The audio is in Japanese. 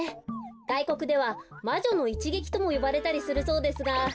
がいこくでは「まじょのいちげき」ともよばれたりするそうですが。